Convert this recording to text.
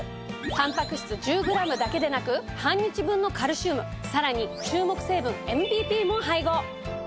たんぱく質１０ｇだけでなく半日分のカルシウムさらに注目成分ＭＢＰも配合。